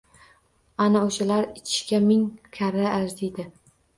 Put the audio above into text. Ana o`shalar ichishga ming karra arziydi